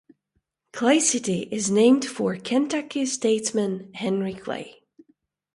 Clay City is named for Kentucky statesman Henry Clay.